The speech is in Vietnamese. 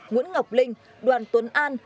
nguyễn ngọc linh đoàn tuấn an